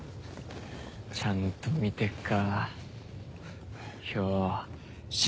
ちゃんと見てっか漂。